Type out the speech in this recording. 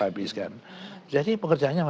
habis kan jadi pekerjaannya